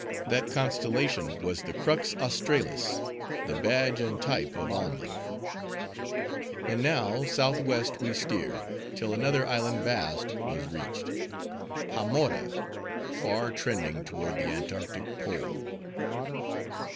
That constellation was the Crux Australis,—the badge, and type of Alma. And now, southwest we steered, till another island vast, was reached; —Hamora! far trending toward the Antarctic Pole.